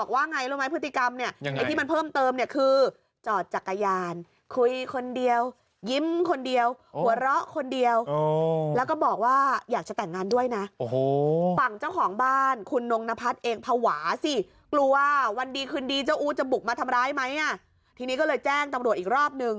มาที่สพเมืองกำแพงเพชร